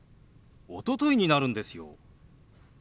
「おととい」になるんですよ。